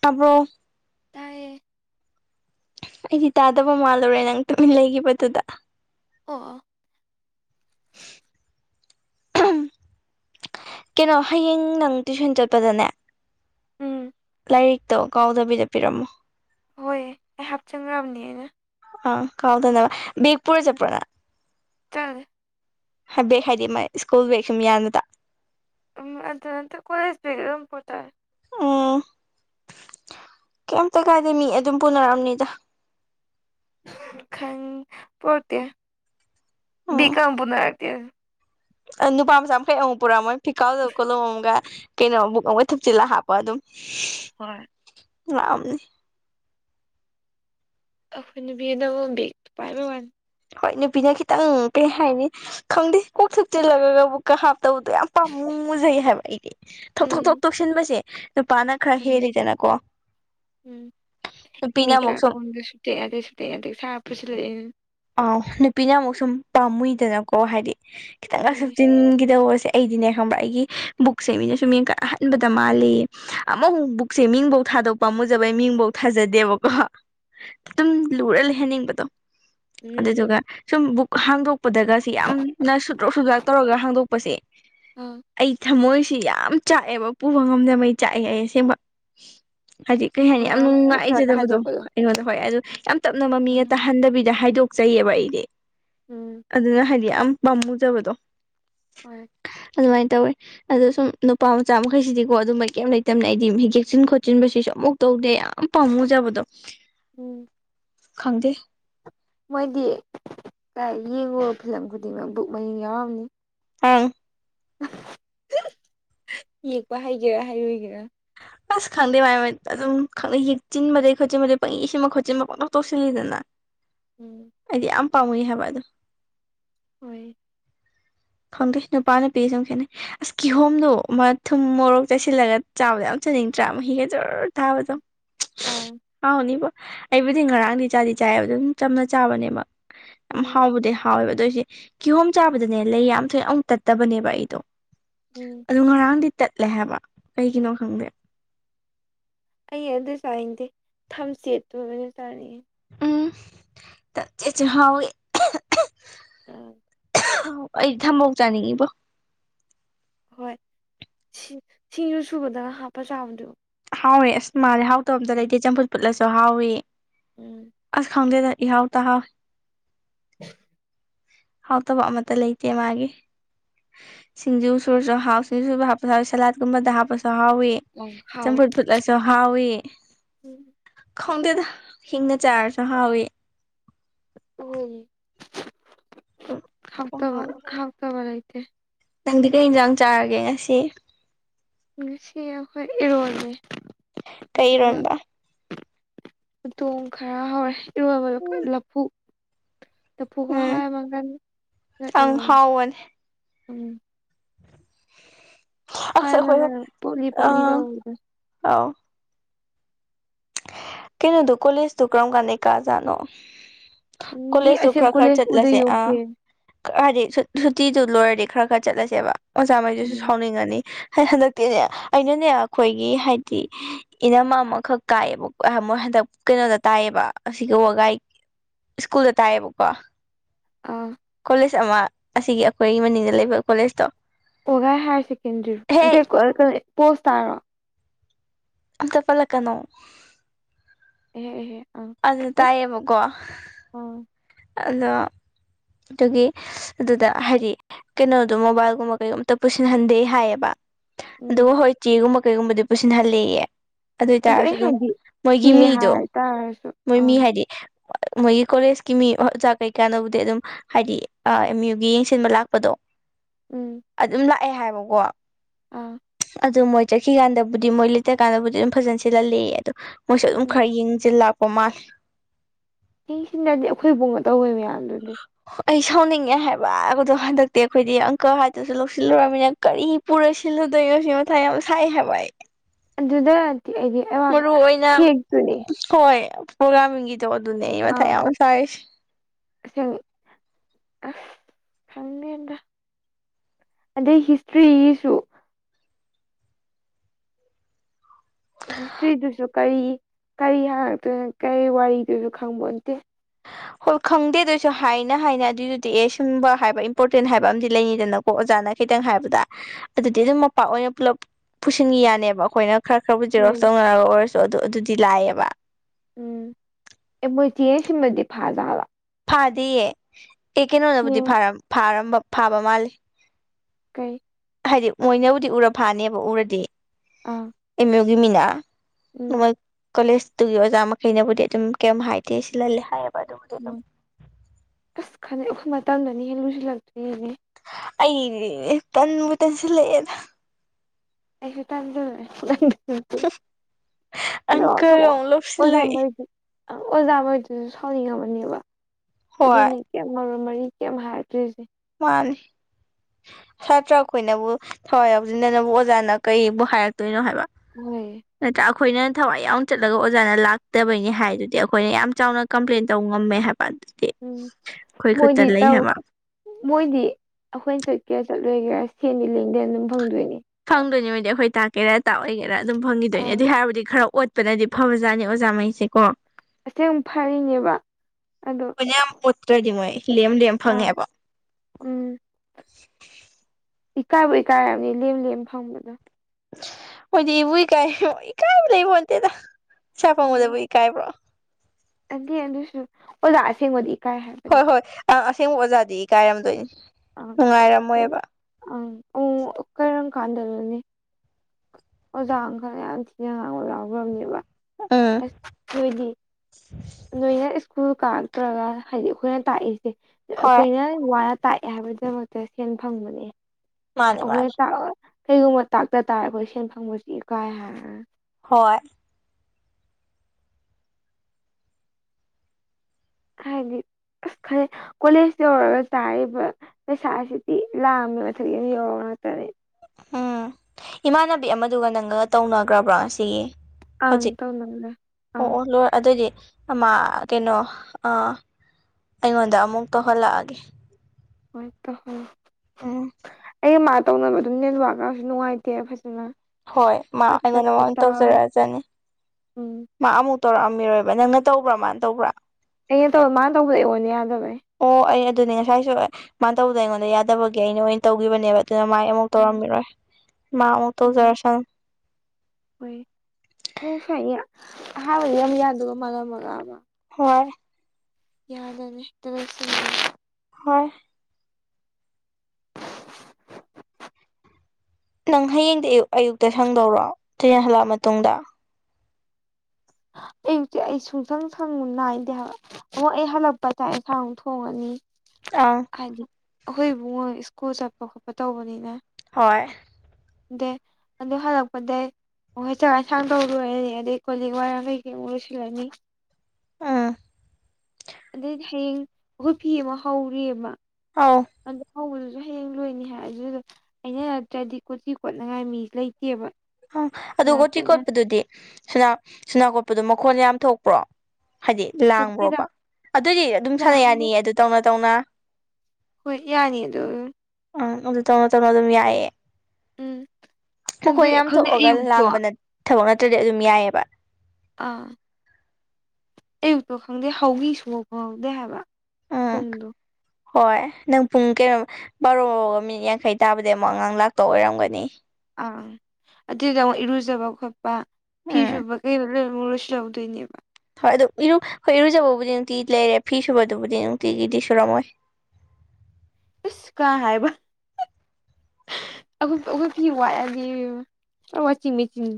ꯇꯄ꯭ꯔꯣ ꯇꯌꯦ ꯑꯩꯗꯤ ꯇꯥꯗꯕ ꯃꯥꯜꯂꯨꯔꯦ ꯅꯪ ꯇꯨꯃꯤꯟ ꯂꯩꯒꯤꯈꯤꯕꯗꯨꯗ ꯑꯣ ꯀꯩꯅꯣ ꯍꯌꯦꯡ ꯅꯪ ꯇꯨꯏꯁꯟ ꯆꯠꯄꯗꯅꯦ ꯎꯝ ꯂꯥꯏꯔꯤꯛꯇꯣ ꯀꯥꯎꯗꯕꯤꯗ ꯄꯤꯔꯝꯃꯣ ꯍꯣꯏ ꯑꯩ ꯍꯥꯞꯆꯤꯟꯈ꯭ꯔꯕꯅꯤ ꯑꯩꯅ ꯑ ꯀꯥꯎ ꯊꯕ ꯕꯤꯄꯨꯔꯁꯦ ꯄꯨꯔꯅ ꯆꯠꯂꯦ ꯕꯒ ꯍꯥꯏꯗꯤ ꯃ ꯁ꯭ꯀꯨꯜ ꯕꯦꯒ ꯁ ꯌꯥꯕꯗ ꯎ ꯑꯗ ꯅꯅ ꯀꯣꯂꯦꯖ ꯕꯒ ꯂ ꯄꯣꯇꯥ ꯎꯝ ꯀꯩꯝꯇ ꯀꯥꯏꯗꯦ ꯃꯤ ꯑꯗꯨꯝ ꯄꯨꯅꯔꯛꯑꯅꯤꯗ ꯈꯪ ꯄꯔꯇꯌꯥ ꯎꯝ ꯀꯝ ꯄꯨꯅꯔꯌꯥ ꯅꯨꯄꯥ ꯃꯆꯥꯈꯩ ꯑꯃꯨꯛ ꯄꯨꯔꯥ ꯃꯣꯏ ꯐꯤꯀꯥꯎꯗ ꯀꯣꯠꯂꯣ ꯑꯃꯒ ꯀꯩꯅꯣ ꯕꯨꯛ ꯑꯃ ꯊꯨꯞꯆꯤꯜꯂꯒ ꯍꯥꯞꯄ ꯑꯗꯨꯝ ꯍꯣꯏ ꯂꯥꯛꯑꯕꯅꯤ ꯑꯩꯈꯣꯏ ꯅꯨꯕꯤꯗꯕꯨ ꯕꯦꯒꯛꯇꯨ ꯄꯥꯏꯕ ꯋꯥꯅꯤ ꯍꯣꯏ ꯅꯨꯄꯤꯅ ꯈꯤꯇꯪ ꯀꯩ ꯍꯥꯏꯅꯤ ꯈꯪꯗꯦ ꯀꯣꯛ ꯊꯛꯆꯤꯜꯂꯒ ꯕꯨꯛꯀ ꯍꯥꯞꯇꯕꯗꯣ ꯌꯥꯝ ꯄꯥꯝꯃꯨ ꯃꯨꯖꯩ ꯍꯥꯏꯕ ꯑꯩꯗꯤ ꯊꯧꯊꯣꯛ ꯇꯣꯛ ꯎꯝ ꯇꯣꯛꯁꯤꯟꯕꯁꯦ ꯅꯨꯄꯥꯅ ꯈꯔ ꯍꯦꯜꯂꯤꯗꯅꯀꯣ ꯎꯝ ꯅꯨꯄꯤꯅ ꯑꯃꯨꯛ ꯁꯨꯝ ꯏꯃꯤꯀꯥꯄꯣꯟꯗꯦꯁꯨ ꯇꯦꯛꯑ ꯑꯗꯨꯩꯁꯨ ꯇꯦꯛ ꯑꯗꯗꯒꯤ ꯁꯥꯞꯄꯁꯨ ꯂꯩꯏꯅ ꯑꯥꯎ ꯅꯨꯄꯤꯅ ꯑꯃꯨꯛ ꯁꯨꯝ ꯄꯥꯝꯃꯨꯏꯗꯅꯀꯣ ꯍꯥꯏꯗꯤ ꯈꯤꯇꯪꯒ ꯎꯝ ꯁꯨꯞꯆꯤꯟꯈꯤꯗꯧꯕꯁꯦ ꯑꯩꯗꯤꯅꯦ ꯈꯪꯕ ꯑꯩꯒꯤ ꯕꯨꯛꯁꯦ ꯃꯤꯅ ꯁ ꯃꯤꯡꯀ ꯑꯍꯟꯕꯗ ꯃꯥꯜꯂꯤ ꯑꯃ ꯍ ꯕꯨꯛꯁꯦ ꯃꯤꯡꯐꯧ ꯊꯥꯗꯣꯛ ꯄꯥꯝꯃꯨꯖꯕꯩ ꯃꯤꯡꯐꯧ ꯊꯥꯖꯗꯦꯕꯀꯣ ꯑꯗꯨꯝ ꯂꯨꯔꯂꯦ ꯍꯥꯏꯅꯤꯡꯕꯗꯣ ꯑꯗꯨꯗꯨꯒ ꯁꯨꯝ ꯕꯨꯛ ꯍꯥꯡꯗꯣꯛꯄꯗꯒ ꯁꯤ ꯌꯥꯝꯅ ꯁꯨꯗ꯭ꯔꯣꯛ ꯁꯨꯗ꯭ꯔꯥꯛ ꯇꯧꯔꯒ ꯍꯥꯡꯗꯣꯛꯄꯁꯦ ꯑꯥ ꯑꯩ ꯊꯃꯣꯏꯁꯤ ꯌꯥꯝ ꯆꯥꯛꯑꯦꯕ ꯄꯨꯕ ꯉꯝꯗꯉꯩ ꯆꯥꯛꯑꯦ ꯑꯩ ꯑꯁꯦꯡꯕ ꯍꯥꯏꯖꯤꯗꯤ ꯀꯩ ꯑꯩꯈꯣꯏ ꯍꯥꯏꯅꯤ ꯌꯥꯝ ꯑꯃ ꯐꯔꯛ ꯐꯔꯛꯀ ꯅꯨꯡꯉꯥꯏꯖꯗꯕꯗꯣ ꯍꯥꯏꯗꯣꯛꯄꯗꯣ ꯑꯩꯉꯣꯟꯗ ꯍꯣꯏ ꯑꯗꯨ ꯌꯥꯝ ꯇꯞꯅ ꯃꯃꯤꯅ ꯇꯥꯍꯟꯗꯕꯤꯗ ꯍꯥꯏꯗꯣꯛꯆꯩꯌꯦꯕ ꯑꯩꯗꯤ ꯎꯝ ꯑꯗꯨꯅ ꯍꯥꯏ ꯌꯥꯝ ꯃꯝꯃꯨꯖꯕꯗꯣ ꯍꯣꯏ ꯑꯗꯨꯃꯥꯏꯅ ꯇꯧꯋꯤ ꯑꯗꯣ ꯁꯨꯝ ꯅꯨꯄꯥ ꯃꯆꯥ ꯃꯈꯩꯁꯤꯗꯤꯀꯣ ꯑꯗꯨꯝꯕ ꯀꯩꯝ ꯂꯩꯇꯕꯅꯦ ꯑꯩꯗꯤ ꯌꯦꯦꯛꯁꯤꯟ ꯈꯣꯠꯆꯤꯟꯕꯁꯤꯁꯨ ꯑꯃꯨꯛ ꯇꯧꯗꯦ ꯌꯥꯝ ꯄꯥꯝꯃꯨꯖꯕꯗꯣ ꯎꯝ ꯈꯪꯗꯦ ꯃꯣꯏꯗꯤ ꯀꯥꯏ ꯌꯦꯡꯉꯨꯕ ꯐꯤꯂꯝ ꯈꯨꯗꯤꯡꯃꯛ ꯕꯨꯛ ꯃꯅꯤꯡ ꯌꯥꯎꯔꯝꯅꯤ ꯑ ꯌꯦꯛꯄ ꯍꯩꯒꯦꯔꯥ ꯍꯥꯏꯔꯣꯏꯒꯦꯔꯥ ꯑꯁ ꯈꯪꯗꯦ ꯃꯥꯏ ꯑꯗꯨꯝ ꯈꯪꯅꯩ ꯌꯦꯛꯁꯤꯤꯟꯕꯗꯩ ꯈꯣꯠꯆꯤꯟꯕꯗꯩ ꯄꯪꯏꯁꯤꯃ ꯈꯣꯠꯆꯟꯕ ꯄꯪꯇꯧ ꯇꯧꯁꯤꯜꯂꯤꯗꯅ ꯎꯝ ꯑꯩꯗꯤ ꯌꯥꯝ ꯄꯥꯝꯃꯏ ꯍꯥꯏꯕ ꯑꯗꯣ ꯍꯣꯏ ꯈꯪꯗ ꯅꯨꯄꯥꯅ ꯄꯤꯖꯝ ꯈꯅꯤ ꯑꯁ ꯀꯤꯍꯣꯝꯗꯣ ꯃ ꯊꯨꯝ ꯃꯣꯔꯣꯛ ꯆꯥꯏꯁꯤꯜꯂꯒ ꯆꯥꯕꯗ ꯌꯥꯝ ꯆꯥꯅꯤꯡꯗ꯭ꯔꯥ ꯃꯍꯤꯒꯦ ꯖꯔ ꯊꯥꯕꯗꯣ ꯑꯥ ꯍꯥꯎꯅꯤꯕ ꯑꯩꯕꯨꯗꯤ ꯉꯔꯥꯡꯗꯤ ꯆꯥꯗꯤ ꯆꯥꯏꯕ ꯑꯗꯨꯝ ꯆꯝꯅ ꯆꯥꯕꯅꯦꯕ ꯌꯥꯝ ꯎꯝ ꯍꯥꯎꯕꯗꯤ ꯍꯥꯎꯋꯦꯕ ꯑꯗꯨꯗ ꯑꯣꯏꯏꯁꯦ ꯀꯤꯍꯣꯝ ꯆꯥꯕꯗꯅꯦ ꯂꯩ ꯌꯥꯝ ꯊꯣꯏꯅ ꯑꯃꯨꯛ ꯇꯠꯇꯕꯅꯦꯕ ꯑꯩꯗꯣ ꯎꯝ ꯑꯗꯨ ꯉꯔꯥꯡꯗꯤ ꯇꯠꯂꯦ ꯍꯥꯏꯕ ꯀꯩꯒꯤꯅꯣ ꯈꯪꯗꯦ ꯑꯩ ꯑꯗꯨꯗ ꯆꯥꯅꯤꯡꯗꯦ ꯊꯝꯆꯦꯠꯇꯨ ꯑꯣꯏꯅ ꯆꯥꯅꯤꯡꯉꯦ ꯎꯝ ꯆꯦ ꯆ ꯍꯥꯎ ꯎꯝ ꯑꯩꯗꯤ ꯊꯝꯕꯣꯛ ꯆꯥꯅꯤꯡꯉꯤꯕꯣ ꯍꯣꯏ ꯁꯤꯡꯁꯨ ꯁꯨꯕꯗꯒ ꯍꯥꯞꯄ ꯆꯥꯕꯅꯦ ꯍꯥꯎꯋꯦ ꯑꯁ ꯃꯥꯜꯂꯦ ꯍꯥꯎꯇꯕ ꯑꯝꯇ ꯂꯩꯇꯦ ꯆꯝꯐꯨꯠ ꯐꯠꯂꯁꯨ ꯍꯥꯎꯋꯤ ꯎꯝ ꯑꯁ ꯈꯥꯦ ꯇ ꯏꯍ ꯍꯧ ꯇ ꯍꯥ [inaudible] ꯍꯥꯎꯇꯕ ꯑꯃꯠꯇ ꯂꯩꯇꯦ ꯃꯥꯒꯤ ꯁꯤꯡꯖꯨ ꯁꯨꯔ ꯆꯍꯥꯎ ꯁꯤꯡꯖꯨ ꯁꯨꯔ ꯍꯥꯞꯄ ꯁꯂꯥꯗꯀꯨꯝꯕꯗ ꯍꯥꯞꯄ ꯁꯨ ꯍꯥꯎꯏ ꯍꯥꯎꯋꯦ ꯆꯝꯐꯨꯠ ꯐꯨꯠꯂꯁꯨ ꯍꯥꯎꯋ ꯎꯝ ꯈꯪꯗꯦꯗ ꯍꯤꯡꯅ ꯆꯥꯔꯁꯨ ꯍꯥꯎꯏꯤ ꯍꯥꯎꯕ ꯍꯥꯎ ꯇꯕꯔ ꯏꯦ ꯅꯪꯗꯤ ꯀꯩ ꯌꯦꯟꯖꯥꯡ ꯆꯥꯔꯒꯦ ꯉꯁꯤ ꯉꯁꯤ ꯑꯩꯈꯣꯏ ꯏꯔꯣꯃꯤ ꯀꯩ ꯑꯗꯨꯒ ꯏꯔꯣꯟꯕ ꯑꯗꯨꯣꯡ ꯈꯔ ꯍꯧꯔꯦ ꯏꯔꯣꯏꯕ ꯑꯣ ꯂꯐꯨ ꯇꯐꯨꯒ ꯎꯝ ꯍꯥꯏꯋꯥ ꯃꯒꯜ ꯆꯠ ꯑꯪ ꯏꯔꯣꯅꯦꯦ ꯍꯥꯎꯕꯅꯦ ꯎꯝ ꯍ ꯑꯁ ꯃꯂ ꯄꯣꯂꯤ ꯄꯣꯂꯤꯒꯎꯗ ꯑꯥꯎ ꯀꯩꯅꯣ ꯗꯗꯨꯀꯂꯤ ꯏꯁ ꯇꯨꯀ꯭ꯔꯝ ꯀꯥꯟ ꯀꯥꯖꯅꯣ ꯈꯪꯗꯦ ꯀꯣꯂꯖꯁꯨ ꯑꯁꯦꯡ ꯈꯔ ꯈꯔ ꯀꯣꯂꯦꯖ ꯎꯗ ꯆꯠꯂꯁꯦ ꯌꯣꯡ ꯑꯥ ꯀꯨꯏꯔꯦ ꯍꯥꯏꯗꯤ ꯁꯨꯇꯤꯗꯨ ꯂꯣꯏꯔꯗꯤ ꯈꯔ ꯈꯔ ꯆꯠꯂꯁꯦꯕ ꯑꯣꯖꯥꯈꯩꯗꯨꯁꯨ ꯎꯝ ꯁꯥꯎꯅꯤꯡꯉꯅꯤ ꯍꯟꯗꯛꯇꯤꯅꯦ ꯑꯩꯅꯅꯦ ꯑꯩꯈꯣꯏꯒꯤ ꯍꯥꯏꯗꯤ ꯏꯅꯝ ꯑꯃꯈꯛ ꯀꯥꯏꯑꯦꯕ ꯃꯣꯏ ꯍꯟꯗꯛ ꯀꯩꯅꯣꯗ ꯇꯥꯏꯌꯦꯕ ꯑꯁꯤꯒ ꯋꯥꯒꯥꯏ ꯁ꯭ꯀꯨꯜꯗ ꯇꯥꯏꯑꯕꯀꯣ ꯑꯥ ꯀꯣꯂꯦꯖ ꯑꯃ ꯑꯁꯤꯒꯤ ꯑꯩꯈꯣꯏꯒꯤ ꯃꯅꯤꯡꯗ ꯂꯩꯕ ꯀꯣꯂꯦꯖꯇꯣ ꯑꯣꯒꯥꯏ ꯍꯥꯌꯔ ꯁꯦꯀꯦꯟꯗꯔꯤꯣ ꯍꯦ ꯑꯟ ꯄꯣꯁ ꯇꯥꯔꯣ ꯑꯝ ꯆ ꯄꯜꯂ ꯀꯩꯅꯣ ꯑꯦ ꯑꯦꯍꯦ ꯑ ꯑꯗꯨ ꯇꯥꯏꯌꯦꯕꯀꯣ ꯑꯣ ꯑꯗꯣ ꯑꯗꯨꯒꯤ ꯑꯗꯨꯗ ꯍꯥꯏꯗꯤ ꯀꯩꯅꯣꯗꯣ ꯃꯣꯕꯥꯏꯜꯒꯨꯝꯕ ꯀꯩꯒꯨꯝꯝꯇ ꯄꯨꯁꯤꯟꯍꯟꯗꯦ ꯍꯥꯏꯌꯦꯕ ꯎꯝ ꯑꯗꯨꯒ ꯍꯣꯏ ꯆꯦꯒꯨꯝꯕ ꯀꯩꯒꯨꯝꯕꯗꯤ ꯄꯨꯁꯤꯟꯍꯜꯂꯤꯌꯦ ꯑꯗꯨ ꯑꯣꯏꯇꯥꯔꯁꯨ ꯑꯩ ꯑꯗꯨꯝ ꯍꯥꯏꯗꯤ ꯆꯦ ꯃꯣꯏꯒꯤ ꯃꯤꯗꯣ ꯍꯥꯏ ꯇꯥꯔꯁꯨ ꯃꯣꯏ ꯃꯤ ꯑꯥ ꯍꯥꯏꯗꯤ ꯃꯣꯏꯒꯤ ꯀꯣꯂꯦꯖꯀꯤ ꯃꯤ ꯆꯥꯛ ꯀꯩꯀꯥꯟꯗꯕꯨꯗꯤ ꯑꯗꯨꯝ ꯍꯥꯏꯗꯤ ꯑ ꯑꯦꯝ ꯌꯨꯒꯤ ꯌꯦꯡꯁꯤꯟꯕ ꯂꯥꯛꯄꯗꯣ ꯎꯝ ꯑꯗꯨꯝ ꯂꯥꯛꯑꯦ ꯍꯥꯏꯕꯀꯣ ꯑꯥ ꯑꯗꯨ ꯃꯣꯏ ꯆꯠꯈꯤꯀꯥꯟꯗꯕꯨꯗꯤ ꯃꯣꯏ ꯂꯤꯠꯇꯀꯥꯟꯗꯕꯨꯗꯤ ꯑꯗꯨꯝ ꯐꯖꯅ ꯁꯤꯍꯜꯂꯑꯦ ꯑꯗꯣ ꯃꯣꯏꯁꯨ ꯑꯗꯨꯝ ꯎꯝ ꯈꯔ ꯌꯦꯡꯁꯤꯜꯂꯥꯛꯄ ꯃꯥꯜꯂꯦ ꯅꯤꯡꯁꯤꯡꯅꯗꯤ ꯑꯩꯈꯣꯏꯕꯨꯡꯅ ꯇꯧꯋꯦ ꯃꯌꯥꯝꯗꯨꯗꯤ ꯑꯩ ꯁꯥꯎꯅꯤꯡꯉꯦ ꯍꯥꯏꯕ ꯑꯗꯣ ꯍꯟꯗꯛꯇꯤ ꯑꯩꯈꯣꯏꯗꯤ ꯑꯪꯀ ꯍꯥꯏꯗꯨꯁꯨ ꯂꯧꯁꯤꯜꯂꯨꯃꯤꯅ ꯀꯔꯤ ꯄꯨꯔ ꯁꯤꯜꯂꯨꯗꯣꯏꯅꯣ ꯁꯤ ꯃꯊꯥ ꯌꯥꯝ ꯁꯥꯏ ꯍꯥꯏꯕ ꯑꯩ ꯑꯗꯨꯗ ꯍꯥꯏꯗꯤ ꯃꯔꯨ ꯑꯣꯏꯅ ꯍꯣꯏ ꯄ꯭ꯔꯣꯒꯥ꯭ꯔꯒꯥꯃꯤꯡꯒꯤꯗꯣ ꯑꯗꯨꯅꯦ ꯑꯩ ꯃꯊꯛ ꯌꯥꯝ ꯆꯥꯏꯔꯤꯁꯦ ꯁꯦꯡ ꯑꯁ ꯈꯪ ꯑꯗꯩ ꯍꯤꯁꯇ꯭ꯔꯤꯁꯨ ꯍꯤꯁꯇ꯭ꯔꯤꯗꯨꯁꯨ ꯀꯔꯤ ꯀꯔꯤ ꯍꯉꯛꯇꯣꯏꯅꯣ ꯀꯔꯤ ꯋꯥꯔꯤꯗꯨꯁꯨ ꯈꯪꯕꯇꯦ ꯍꯣꯏ ꯈꯪꯗꯦ ꯑꯗꯨꯑꯣꯁꯨ ꯍꯥꯏꯅ ꯍꯥꯏꯅ ꯑꯗꯨꯏꯗꯨꯗꯤ ꯑꯦ ꯁꯨꯝꯕ ꯍꯥꯏꯕ ꯏꯝꯄꯣꯔꯇꯦꯟ ꯍꯥꯏꯕ ꯑꯝ ꯂꯩꯅꯤꯗꯅꯀꯣ ꯀ ꯑꯣꯖꯥꯅ ꯈꯤꯇꯪ ꯍꯥꯏꯕꯗ ꯑꯗꯨꯗꯤ ꯑꯗꯨꯝ ꯃꯄꯥꯛ ꯑꯣꯏꯅ ꯄꯨꯜꯂꯞ ꯄꯨꯁꯤꯟꯈꯤ ꯌꯥꯅꯦꯕ ꯑꯩꯈꯣꯏꯅ ꯈꯔ ꯈꯔꯕꯨ ꯦꯔꯣꯛ ꯃꯣꯏ ꯇꯧꯅꯔꯒ ꯑꯣꯏꯔꯁꯨ ꯑꯗꯨ ꯑꯗꯨꯗꯤ ꯂꯥꯛꯑꯦꯕ ꯎꯝ ꯑꯦ ꯃꯣꯏ ꯆꯦ ꯁꯤꯃꯗꯤ ꯐꯥꯖꯥꯠꯂ ꯐꯥꯗꯤꯦꯌꯦ ꯑꯦ ꯆꯦ ꯀꯩꯅꯣꯅꯕꯨꯗꯤ ꯐꯥꯔꯝꯕ ꯐꯥꯕ ꯃꯥꯂꯦ ꯀꯩ ꯍꯥꯏꯗꯤ ꯃꯣꯏꯅꯕꯨꯗꯤ ꯎꯔ ꯐꯥꯅꯦꯕ ꯎꯔꯗꯤ ꯑꯥ ꯑꯦꯝꯒꯤ ꯃ ꯎꯝ ꯅꯃꯥꯏ ꯀꯣꯂꯦꯁꯇꯨꯒꯤ ꯑꯣꯖꯥ ꯃꯈꯩꯅꯕꯨꯗꯤ ꯑꯗꯨꯝ ꯀꯩꯝ ꯍꯥꯏꯗꯦ ꯁꯤꯜꯍꯜꯂꯦ ꯍꯥꯏ ꯎꯝ ꯑꯁ ꯈꯜꯂꯤ ꯑꯩꯈꯣꯏ ꯃꯇꯝꯗꯅꯤ ꯍꯦ ꯂꯨꯁꯤꯜꯂꯛꯇ꯭ꯔꯤꯅꯦ ꯑꯩꯗꯤ ꯇꯟꯕꯨ ꯇꯟꯁꯤꯜꯂꯛꯑꯦꯅ ꯑꯩꯁꯨ ꯇꯥꯟꯗ ꯑ ꯑꯪꯀꯔ ꯑꯃꯨꯛ ꯂꯧꯁꯤꯜꯂꯛꯏ ꯑꯣꯖꯕꯗꯤ ꯑꯣꯖꯥ ꯍꯣꯏꯗꯨꯁꯨ ꯁꯥꯎꯅꯤꯡꯉꯕꯅꯦꯕ ꯍꯣꯏ ꯑꯗꯨꯏꯅꯤ ꯀꯩ ꯃꯔꯨꯝ ꯃꯔꯤ ꯀꯩꯝ ꯍꯥꯏꯔꯗ꯭ꯣꯏꯔꯤꯁꯦ ꯃꯥꯅꯤ ꯁꯥꯇ꯭ꯔ ꯑꯩꯈꯣꯏꯅꯕꯨ ꯊꯋꯥꯏ ꯌꯥꯎꯖꯤꯟꯗꯅꯕꯨ ꯑꯣꯖꯥꯅ ꯀꯔꯤꯕꯨ ꯍꯥꯏꯔꯛꯇꯣꯏꯅꯣ ꯍꯥꯏꯕ ꯍꯣꯏ ꯅꯠꯇ꯭ꯔꯥ ꯑꯩꯈꯣꯏꯅ ꯊꯋꯥꯏ ꯌꯥꯎꯅ ꯆꯠꯂꯒ ꯑꯣꯖꯥꯅ ꯂꯥꯛꯇꯕꯩꯅꯤ ꯍꯥꯏꯗꯨꯗꯤ ꯑꯩꯈꯣꯏꯅ ꯌꯥꯝ ꯆꯥꯎꯅ ꯀꯝꯄ꯭ꯂꯦꯟ ꯇꯧ ꯉꯝꯃꯦ ꯍꯥꯏꯕ ꯑꯗꯨ ꯎꯝ ꯃꯣꯏ ꯒꯤ ꯇꯧꯎ ꯃꯣꯏꯗꯤ ꯑꯩꯈꯣꯏꯅ ꯆꯠꯀꯦꯔꯥ ꯆꯠꯂꯣꯏꯒꯦꯔꯥ ꯏꯁꯇꯦꯟꯗꯤ ꯂꯦꯡꯗꯅ ꯑꯗꯨꯝ ꯐꯪꯗꯣꯏꯅꯦ ꯐꯪꯗꯣꯏꯅꯦ ꯃꯣꯏꯗꯤ ꯑꯩꯈꯣꯏ ꯇꯥꯛꯀꯦꯔꯥ ꯇꯥꯛꯑꯣꯏꯒꯦꯔꯥ ꯑꯗꯨꯝ ꯐꯪꯈꯤꯗꯣꯏꯅꯤ ꯑꯥ ꯑꯗꯨ ꯍꯥꯏꯔꯕꯕꯨꯗꯤ ꯈꯔ ꯑꯣꯠ ꯆꯠꯄꯅꯗꯤ ꯐꯕꯖꯥꯠꯅꯤ ꯑꯣꯖꯥꯃꯩꯖꯦ ꯀꯣ ꯑꯁꯦꯡꯕ ꯐꯔꯤꯅꯦꯕ ꯑꯗꯣ ꯑꯈꯣꯏꯅ ꯌꯥꯝ ꯃꯨꯠꯇ꯭ꯔꯗꯤ ꯃꯣꯏ ꯂꯦꯝ ꯂꯦꯝ ꯑꯥ ꯐꯪꯉꯦꯕ ꯎꯝ ꯏꯀꯥꯏꯕꯨ ꯏꯀꯥꯏꯔꯝꯅꯤ ꯂꯦꯝ ꯂꯦꯝ ꯐꯪꯕꯗ ꯃꯣꯏꯗꯤ ꯏꯕꯨ ꯏꯀꯥꯏ ꯏꯀꯥꯏꯕ ꯂꯩꯕꯣꯇꯦꯗ ꯏꯁꯥ ꯐꯪꯕꯗꯕꯨ ꯏꯀꯥꯏꯕ꯭ꯔꯣ ꯑꯗꯤ ꯑꯣꯗꯣꯏꯁꯨ ꯑꯣꯖꯥ ꯑꯁꯦꯡꯕꯗꯤ ꯏꯀꯥꯏ ꯍꯣꯏ ꯍꯥꯏꯕꯅꯤ ꯍꯣꯏ ꯑ ꯑꯁꯦꯡꯕ ꯑꯣꯖꯥꯗꯤ ꯏꯀꯥꯏꯔꯝꯗꯣꯏꯅꯤ ꯅꯨꯡꯉꯥꯏꯔꯝꯃꯣꯏꯕ ꯑ ꯑꯣ ꯑꯗꯣ ꯀꯔꯝ ꯀꯥꯟꯗꯅꯣꯅꯦ ꯑꯣꯖꯥ ꯈꯔ ꯌꯥꯝ ꯊꯤꯅ ꯂꯥꯎꯕꯅꯦꯕ ꯎꯝ ꯊꯣꯏꯗꯤ ꯅꯣꯏꯅ ꯁ꯭ꯀꯨꯜ ꯀꯥꯔꯛꯇ꯭ꯔꯒ ꯍꯥꯏꯗꯤ ꯑꯩꯈꯣꯏꯅ ꯇꯥꯛꯏꯁꯦ ꯍꯣꯏ ꯑꯩꯈꯣꯏꯅ ꯋꯥ ꯑꯦ ꯍꯥꯏꯕꯒꯤꯗꯃꯛꯇ ꯁꯦꯟ ꯐꯪꯕꯅꯦ ꯃꯥꯅꯦ ꯑꯩꯈꯣꯏꯅ ꯃꯥꯅꯦ ꯇꯥꯛꯑꯣ ꯀꯩꯒꯨꯝꯕ ꯇꯥꯛꯇ ꯇꯥꯔ ꯑꯩꯈꯣꯏ ꯁꯦꯟ ꯐꯪꯕꯖꯤ ꯀꯥꯏ ꯍꯥꯏꯔ ꯍꯣꯏ ꯍꯥꯏꯗꯤ ꯑꯁ ꯈꯔꯦ ꯀꯣꯂꯦꯁ ꯌꯧꯔꯒ ꯆꯥꯔꯤꯕ ꯄꯩꯁꯥꯁꯤꯗꯤ ꯂꯥꯛꯑꯃꯥ ꯃꯊꯛ ꯌꯧꯔꯕ ꯉꯥꯛꯇ ꯎꯝ ꯏꯃꯥꯟꯅꯕꯤ ꯑꯃꯗꯨꯒ ꯅꯪꯒ ꯇꯧꯅꯈ꯭ꯔꯕ꯭ꯔꯣ ꯁꯤꯒꯤ ꯑꯪ ꯍꯧꯖꯤꯛ ꯇꯧꯅꯕꯅꯦ ꯑꯣ ꯑꯪ ꯑꯣ ꯂꯣꯏ ꯑꯗꯣꯏꯗꯤ ꯑꯃ ꯀꯩꯅꯣ ꯑ ꯑꯩꯉꯣꯟꯗ ꯑꯃꯨꯛ ꯇꯧꯍꯜꯂꯛꯑꯒꯦ ꯍꯣꯏ ꯇꯧꯍꯣ ꯎꯝ ꯑꯩ ꯃꯥ ꯇꯣꯛꯅꯕ ꯑꯗꯨ ꯅꯦꯠꯋꯥꯛꯅ ꯅꯨꯡꯉꯥꯏꯇꯦ ꯐꯖꯅ ꯍꯣꯏ ꯃꯥ ꯄꯠ ꯄꯠ ꯑꯩꯉꯣꯟꯗ ꯄꯠ ꯃꯥꯏ ꯇꯠꯂꯒ ꯇꯧꯖꯔꯛꯑꯖꯅꯤ ꯎꯝ ꯃꯥ ꯑꯃꯨꯛ ꯇꯧꯔꯛꯑꯝꯃꯦꯕ ꯅꯪꯅ ꯇꯧꯕ꯭ꯔꯥ ꯃꯥꯅ ꯇꯧꯕ꯭ꯔꯥ ꯑꯩꯅ ꯇꯧꯕ ꯃꯥꯅ ꯇꯧꯕ ꯑꯩꯉꯣꯟꯗ ꯌꯥꯗꯕꯩ ꯑꯣ ꯑꯩ ꯑꯗꯨꯅꯦ ꯉꯁꯥꯏꯁꯨ ꯃꯥꯅ ꯇꯧꯕꯗ ꯑꯩꯉꯣꯟꯗ ꯌꯥꯗꯕꯒꯤ ꯑꯩꯅ ꯑꯣꯏꯅ ꯇꯧꯈꯤꯕꯅꯦꯕ ꯗ ꯃꯥꯏ ꯑꯃꯨꯛ ꯇꯧꯔꯝꯕꯤꯔꯣꯏ ꯃꯥ ꯑꯃꯨꯛ ꯎ ꯇꯧꯖꯔꯁꯅꯨ ꯍꯣꯏ [unintelligible] ꯍꯣꯏ [unintelligible] ꯍꯣꯏ ꯅꯪ ꯍꯌꯦꯡꯗꯤ ꯑꯌꯨꯛ ꯑꯌꯨꯛꯇ ꯁꯪꯗꯧꯔꯣ ꯊꯦꯡ ꯍꯜꯂꯛꯑ ꯃꯇꯨꯡꯗ ꯑꯩꯌꯨꯛꯇꯤ ꯑꯩ ꯁꯨꯡꯁꯪ ꯁꯪ ꯅꯥꯏꯗꯦ ꯍꯥꯏꯕ ꯑꯣ ꯑꯩ ꯍꯜꯂꯛꯄ ꯆꯥꯛ ꯑꯦꯟꯁꯥꯡ ꯑꯃꯨꯛ ꯊꯣꯡꯉꯅꯤ ꯑꯧ ꯍꯥꯏꯗꯤ ꯑꯩꯈꯣꯏ ꯏꯕꯨꯡꯉꯣ ꯁ꯭ꯀꯨꯜ ꯆꯠꯄ ꯈꯣꯠꯄ ꯇꯧꯕꯅꯤꯅ ꯍꯣꯏ ꯗꯦ ꯑꯗꯨ ꯍꯜꯂꯛꯄꯗꯩ ꯃꯣꯏ ꯆꯥꯛ ꯏꯟꯁꯥꯡ ꯇꯧꯔꯨꯔꯣꯏꯅꯤ ꯑꯗꯩ ꯀꯣꯂꯤꯛ ꯋꯥꯔꯝ ꯩ ꯀꯩ ꯀꯩ ꯑꯃꯨꯛ ꯂꯣꯏꯁꯟꯂꯅꯤ ꯎꯝ ꯑꯗꯩꯗꯤ ꯍꯌꯦꯡ ꯑꯈꯣꯏ ꯐꯤ ꯑꯃ ꯍꯧꯔꯤꯑꯕ ꯑꯥꯎ ꯑꯗꯣ ꯍꯧꯕꯗꯨꯁꯨ ꯍꯌꯦꯡ ꯂꯣꯏꯅꯤ ꯍꯥꯏ ꯑꯗꯨꯗ ꯑꯩꯅ ꯅꯠꯇ꯭ꯔꯗꯤ ꯀꯣꯁꯤꯤ ꯈꯣꯠꯅꯉꯥꯏ ꯃꯤ ꯂꯩꯇꯦꯕ ꯎ ꯁꯅꯥ ꯑꯗꯨꯣ ꯣꯇꯤ ꯀꯣꯠꯅ ꯀꯣꯠꯄꯗꯨꯗꯤ ꯁꯨꯅꯥ ꯁꯨꯅꯥ ꯀꯣꯠꯄꯗꯣ ꯃꯈꯣꯟ ꯌꯥꯝ ꯊꯣꯛꯄ꯭ꯔꯣ꯫ ꯍꯥꯏꯗꯤ ꯊꯣꯛꯇꯦꯗ ꯂꯥꯡꯕ꯭ꯔꯣꯕ ꯑꯗꯨꯑꯣꯏꯗꯤ ꯑꯗꯨꯝ ꯁꯥꯟꯅ ꯂꯥꯛꯑꯝꯗꯦ ꯌꯥꯅꯤꯌꯦ ꯑꯗꯨ ꯇꯧꯅ ꯇꯧꯅ ꯍꯣꯏ ꯌꯥꯅꯤ ꯑꯗꯨ ꯑꯝ ꯑꯗꯨ ꯇꯧꯅ ꯇꯧꯅ ꯑꯗꯨꯝ ꯌꯥꯏꯌꯦ꯫ ꯎꯝꯗꯤ ꯑꯈꯣꯏ ꯑꯗꯨꯒ ꯂꯥꯡꯕ ꯊꯕꯛ ꯅꯠꯇ꯭ꯔꯗꯤ ꯑꯗꯨꯝ ꯌꯥꯏꯑꯕ ꯑꯥ ꯑꯩꯌ ꯎꯨꯛꯇꯣ ꯈꯪꯗꯦ ꯍꯧꯈꯤ ꯁ ꯐꯍꯧꯗꯦ ꯍꯥꯏꯕ ꯎꯝ ꯄꯨꯡꯗꯣ ꯍꯣꯏ ꯅꯪ ꯄꯨꯡ ꯀꯩꯅꯣ ꯕꯥꯔꯣꯒ ꯃꯤꯅꯤꯠ ꯌꯥꯡꯈꯩ ꯇꯥꯕꯗꯤ ꯑꯃꯨꯛ ꯑꯉꯥꯡ ꯂꯥꯛꯇ ꯑꯣꯏꯔꯝꯒꯅꯤ꯫ ꯑ ꯑꯗꯨꯗ ꯑꯃꯨꯛ ꯏꯔꯨꯖꯕ ꯈꯣꯠꯄ ꯐꯤ ꯎꯝ ꯁꯨꯕ ꯀꯩ ꯁꯨꯗꯣꯏꯅꯦꯕ ꯍꯣꯏ ꯑꯗꯨ ꯏꯔꯨ ꯍꯣꯏ ꯏꯔꯨꯖꯕꯕꯨꯗꯤ ꯅꯨꯡꯇꯤ ꯂꯩꯔꯦ ꯐꯤ ꯁꯨꯕꯗꯨꯕꯨꯗꯤ ꯅꯨꯡꯇꯤꯒꯤꯗꯤ ꯁꯨꯔꯝꯃꯣꯏ꯫ ꯑꯁ ꯀ ꯍꯥꯏꯕ ꯑꯩꯈꯣꯏ ꯀ ꯋꯥꯠꯂꯒꯦ ꯋꯥꯁꯤꯡꯤꯡ ꯃꯦꯆꯤꯟ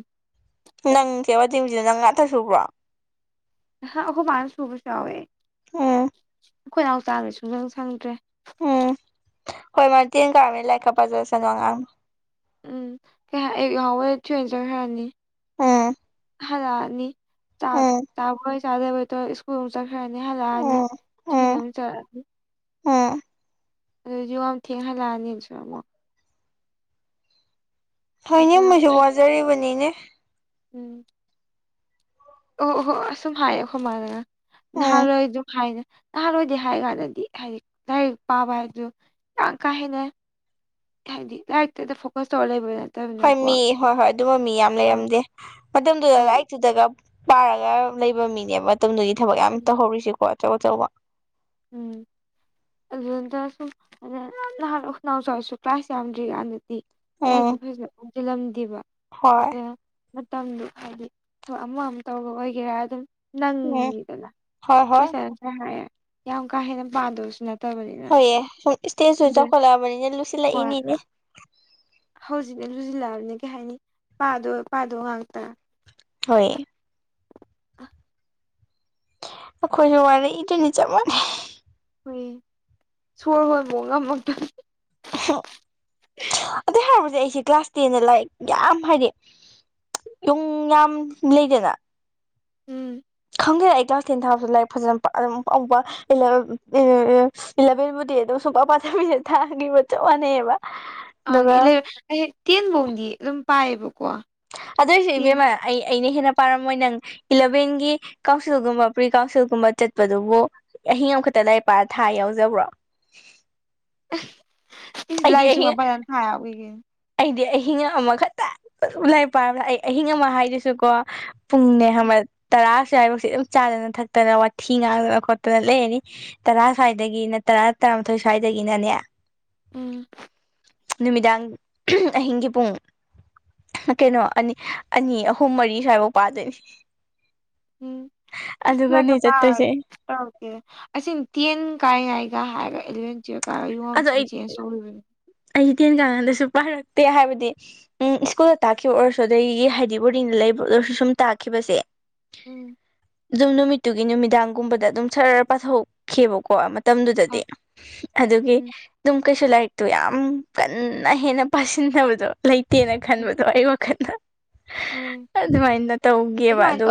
ꯅꯪ ꯀꯦꯕꯗꯤ ꯍꯧꯖꯤ ꯅꯪ ꯉꯥꯛꯊ ꯁꯨꯕ꯭ꯔꯣ ꯍꯥ ꯑꯣ ꯃꯥꯅꯁꯨꯨꯕꯁꯋꯦ꯫ ꯎꯝ ꯑꯩꯈꯣꯏꯅꯥꯎ ꯆꯗꯩ ꯁꯨꯡꯁꯪ ꯁꯪꯗ꯭ꯔꯦ꯫ ꯎꯝ ꯍꯣꯏ ꯃꯥ ꯇꯀ ꯂꯥꯏꯀꯄꯖ ꯑꯁ ꯅ ꯑꯉꯥꯡ ꯎꯝ ꯀꯩ ꯑꯌ ꯌꯥꯕ ꯊꯣꯏꯦꯟꯖꯈ꯭ꯔꯅꯤ꯫ ꯎꯝ ꯍꯗꯅꯤ ꯆꯥꯛ ꯎꯝ ꯆꯥꯕꯣꯏ ꯆꯥꯗꯕ ꯍꯣꯡꯨꯛ ꯆꯠꯈ꯭ꯔꯅꯤ ꯍꯜꯂꯛꯑꯅꯤ ꯎꯝ ꯁꯤꯅ ꯑꯃꯨꯛ ꯆꯠꯂꯛꯑꯅꯤ꯫ ꯑ ꯑꯗꯨꯗꯤ ꯌꯥꯝ ꯊꯦꯡ ꯍꯜꯂꯛꯑꯅꯤꯁꯨꯔ ꯑꯃꯨꯛ ꯇꯦꯖꯤꯟ ꯑꯗꯨꯅ ꯃꯣꯏꯁꯨ ꯋꯥꯖꯔꯤꯕꯅꯤꯅꯦ꯫ ꯎꯝ ꯎꯃ ꯍꯣ ꯑꯁꯨꯝ ꯍꯥꯏꯌꯦ ꯑꯩꯈꯣꯏꯃꯅ ꯎꯝ ꯅꯍꯥꯟꯋꯥꯏꯗꯨ ꯊꯥꯏꯅ ꯄꯔꯣꯏꯗꯤ ꯍꯥꯏ ꯂꯥꯏꯔꯤꯛ ꯄꯥꯕ ꯍꯥꯏꯗꯨ ꯌꯥꯝ ꯀꯥ ꯍꯦꯟꯅ ꯍꯥꯏꯗꯤ ꯂꯥꯏꯔꯤꯛꯇꯗ ꯐꯣꯀꯁ ꯇꯧꯔꯒ ꯂꯩꯕ꯭ꯔꯅ ꯍꯣꯏ ꯃꯤ ꯍꯣꯏ ꯍꯣꯏ ꯑꯗꯨꯝꯕ ꯃꯤ ꯌꯥꯝ ꯂꯩꯔꯝꯗꯦ ꯃꯇꯝꯗꯨꯗ ꯍꯣꯏ ꯂꯥꯏꯔꯤꯛꯇꯨꯗꯒ ꯄꯔꯒ ꯂꯩꯕ ꯃꯤꯅꯦ ꯃꯇꯝꯗꯨꯒꯤ ꯊꯕꯛ ꯌꯥꯝ ꯎꯝ ꯇꯧꯍꯧꯔꯤꯁꯤꯀꯣ ꯑꯆꯧ ꯑꯆꯧꯕ ꯎꯝ ꯑꯗꯨꯅ ꯁꯨꯝ ꯅꯍꯥꯟꯋꯏ ꯑꯩꯈꯣꯏꯅꯎꯆꯥ ꯍꯣꯏꯈꯤꯁꯨ ꯀꯂ꯭ꯥꯁ ꯌꯝꯗꯔ꯭ꯤꯀꯟꯗꯗꯤ꯫ ꯎꯝ ꯂꯥꯏꯔꯤꯛꯇ ꯐꯖꯅ ꯑꯣꯟꯖꯤꯜꯂꯝꯗꯦꯕ ꯍꯣꯏ ꯑꯗꯨꯅ ꯃꯇꯝꯗꯨ ꯍꯥꯏꯗꯤ ꯊꯕꯛ ꯑꯃ ꯑꯝ ꯇꯧꯔꯔꯣꯏꯒꯦ ꯍꯥꯏꯔ ꯑꯗꯨꯝ ꯅꯪ ꯎꯝ ꯅꯤꯗꯅ ꯍꯣꯏ ꯍꯣꯏ ꯀꯣꯏꯁꯟ ꯑꯅꯁ꯭ꯔ ꯍꯥꯏꯔꯦ ꯌꯥꯝ ꯀꯥ ꯍꯦꯟꯅ ꯄꯗꯨꯕꯁꯨ ꯅꯠꯇꯦ꯫ ꯍꯣꯏꯑꯦ ꯁꯨꯝ ꯏꯁꯇꯦꯖꯇꯨ ꯆꯥꯎꯈꯠꯂꯛꯑꯕꯅꯤꯅꯦ ꯂꯨꯁꯤꯜꯂꯛ ꯍꯣꯏ ꯏꯅꯤꯅꯦ꯫ ꯍꯧꯖꯤꯛꯅ ꯂꯨꯁꯤꯜꯂꯛꯑꯕꯅꯤꯅ ꯀꯩ ꯍꯥꯏꯅꯤ ꯄꯥꯗꯣ ꯄꯥꯗꯣ ꯉꯥꯛꯇ ꯍꯣꯏ ꯑꯩꯈꯣꯏꯁꯨ ꯋꯥꯔ꯭ꯛ ꯏꯗꯨꯅꯤ ꯆꯞ ꯃꯥꯟꯅꯩ꯫ ꯍꯣꯏ ꯁꯣꯔ ꯍꯣꯟꯕꯧ ꯉꯝꯃꯛꯇ ꯑꯗꯨꯏ ꯍꯥꯏꯔꯕꯨꯗꯤ ꯑꯩꯁꯦ ꯀ꯭ꯂꯥꯁ ꯇꯦꯟꯗ ꯂꯥꯏꯔꯤꯛ ꯌꯥꯝ ꯍꯥꯏꯗꯤ ꯌꯨꯝ ꯌꯥꯝ ꯂꯩꯗꯅ ꯎꯝ ꯈꯪꯗꯦꯗ ꯑꯩ ꯀ꯭ꯂꯥꯁ ꯇꯦꯟ ꯊꯥꯕꯁꯨ ꯂꯥꯏꯔꯤꯛ ꯐꯖꯅ ꯑꯝ ꯎꯝ ꯏꯂꯚꯦꯟꯕꯨꯗꯤ ꯑꯗꯨꯝ ꯁꯨꯡꯀ ꯄꯥꯊꯕꯤꯗ ꯊꯥꯈꯤꯕ ꯆꯞ ꯃꯥꯟꯅꯩꯌꯦꯕ ꯑꯪ ꯇꯦꯟ ꯐꯥꯎꯗꯤ ꯑꯗꯨꯝ ꯄꯥꯏꯌꯦꯕꯀꯣ ꯑꯗꯨ ꯑꯣꯏꯁꯨ ꯇꯦꯟ ꯏꯕꯦꯝꯃ ꯑꯩ ꯑꯩꯅ ꯍꯦꯟꯅ ꯄꯥꯔꯝꯃꯣꯏ ꯅꯪ ꯏꯂꯚꯦꯟꯒꯤ ꯀꯥꯎꯟꯁꯤꯜꯒꯨꯝꯕ ꯄ꯭ꯔꯤ ꯀꯥꯎꯟꯁꯤꯜꯒꯨꯝꯕ ꯆꯠꯄꯗꯨꯕꯨ ꯑꯍꯤꯡ ꯑꯃꯈꯛꯇ ꯂꯥꯏꯔꯤꯛ ꯄꯔ ꯊꯥ ꯌꯥꯎꯖꯕ꯭ꯔꯣ [inaudible] ꯑꯩꯗꯤ ꯑꯍꯤꯡ ꯂꯥꯏꯔꯤꯛꯁꯨꯡꯄ ꯄꯗꯅ ꯊꯥ ꯌꯥꯎꯒꯤ ꯀꯩꯅꯣ ꯑꯩꯗꯤ ꯑꯍꯤꯡ ꯑꯃ ꯈꯛꯇ ꯂꯥꯔꯤꯛ ꯄꯕꯗ ꯑꯩ ꯑꯍꯤꯡ ꯑꯃ ꯍꯥꯏꯗꯨꯁꯨꯀꯣ ꯄꯨꯡꯅꯦ ꯈꯪꯕꯔ ꯇꯔꯥ ꯁ꯭ꯋꯥꯏꯐꯎꯁ ꯑꯗꯨꯝ ꯆꯗꯅ ꯊꯛꯇꯅ ꯋꯊꯤ ꯉꯥꯡꯗꯅ ꯈꯣꯠꯇꯅ ꯂꯩꯔꯅꯤ ꯇꯔꯥ ꯁ꯭ꯋꯥꯏꯗꯒꯤꯅ ꯇꯔꯥ ꯇꯔꯥꯃꯊꯣꯏ ꯁ꯭ꯋꯥꯏꯗꯒꯤꯅꯅꯦ ꯎꯝ ꯅꯨꯃꯤꯗꯥꯡ [unintelligible] ꯑꯍꯤꯡꯒꯤ ꯄꯨꯡ ꯀꯩꯅꯣ ꯑꯅꯤ ꯑꯅꯤ ꯑꯍꯨꯝ ꯃꯔꯤ ꯁ꯭ꯋꯥꯏꯐꯥꯎ ꯄꯗꯣꯏꯅꯤ ꯎꯝ ꯂꯥꯏꯔꯤꯛꯀ ꯑꯗꯨꯒꯅꯦ ꯄꯔꯔꯣꯏ ꯆꯠꯇꯣꯏꯁꯦ [unintelligible] ꯇꯧꯔꯛꯇꯦ ꯑꯁꯤ ꯇꯦꯟ ꯀꯥꯏꯉꯩꯒꯥ ꯍꯥꯏꯔꯒ ꯏꯂꯚꯦꯟ ꯇꯨꯌꯦꯂꯞ ꯀꯥ ꯌꯣꯝ ꯌꯝ ꯑꯗꯣ ꯊꯤꯅ ꯑꯩ ꯆꯦꯟ ꯇꯧꯔꯤꯕꯅꯤ ꯑꯩ ꯇꯦꯟ ꯀꯔꯀꯥꯟꯗꯁꯨ ꯄꯔꯛꯇꯦ ꯍꯥꯏꯕꯅꯦ ꯎꯝ ꯁ꯭ꯀꯨꯜꯗ ꯇꯛꯈꯤꯕ ꯑꯣꯏꯔꯁꯨ ꯑꯗꯒꯤ ꯍꯥꯏꯗꯤ ꯕꯣꯔꯗꯤꯡꯗ ꯂꯩꯕ ꯑꯣꯏꯔꯁꯨ ꯁꯨꯝ ꯇꯥꯛꯈꯤꯕꯁꯦ ꯎꯝ ꯑꯗꯨ ꯅꯨꯃꯤꯠꯇꯨꯒꯤ ꯅꯨꯃꯤꯗꯥꯡꯒꯨꯝꯕꯗ ꯑꯗꯨꯝ ꯁꯔ꯭ꯔ ꯄꯊꯣꯛꯈꯤꯕꯕꯀꯣ ꯃꯇꯝꯗꯨꯗꯗꯤ ꯑꯗꯨꯒꯤ ꯎꯝ ꯑꯗꯨꯝ ꯀꯩꯁꯨ ꯂꯥꯏꯔꯤꯛꯇꯣ ꯌꯥꯝ ꯀꯟꯅ ꯍꯦꯟꯅ ꯄꯁꯤꯟꯗꯕꯗꯣ ꯂꯩꯇꯦꯅ ꯎꯝ ꯈꯟꯕꯗꯣ ꯑꯩ ꯋꯈꯜꯗ ꯍꯣꯏ ꯑꯗꯨꯃꯥꯏꯅ ꯇꯧꯒꯤꯕ ꯑꯗꯨꯃꯥꯏꯅ ꯑꯗꯨꯒ ꯇꯧ